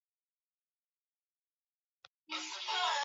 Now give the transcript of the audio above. Tia hamira vijiko mbili vya chai